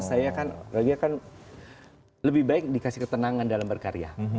iya kayaknya kalau dia kan lebih baik dikasih ketenangan dalam berkarya